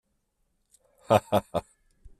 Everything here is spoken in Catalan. Ah, ah, ah!